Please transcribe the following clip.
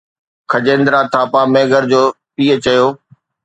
Khajendra Thapa Maggar جي پيء چيو